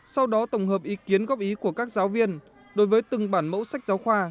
sau đó tổng hợp ý kiến góp ý của các giáo viên đối với từng bản mẫu sách giáo khoa